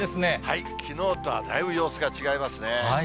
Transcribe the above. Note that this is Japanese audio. きのうとはだいぶ様子が違いますね。